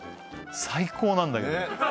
最高なんだけどねえ